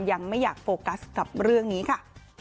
ยังไม่อยากโฟกัสกับเรื่องนี้ค่ะ